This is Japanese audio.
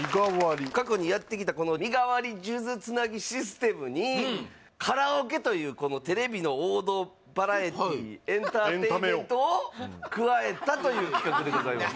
過去にやってきたこのシステムにカラオケというこのテレビの王道バラエティーエンターテインメントをエンタメを加えたという企画でございます